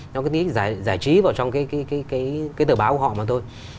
nó có tí giải trí vào trong cái tờ báo của họ mà thôi